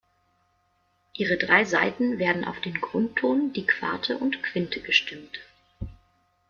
Ihre drei Saiten werden auf den Grundton, die Quarte und Quinte gestimmt.